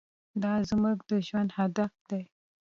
دا زموږ د ژوند هدف دی.